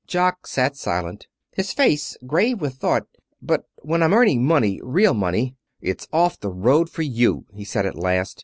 Jock sat silent, his face grave with thought. "But when I'm earning money real money it's off the road for you," he said, at last.